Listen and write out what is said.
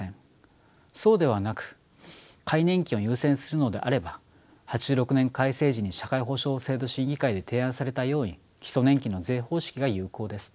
そうではなく皆年金を優先するのであれば８６年改正時に社会保障制度審議会で提案されたように基礎年金の税方式が有効です。